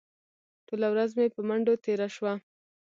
ټوله ورځ مې په منډو تېره شوه.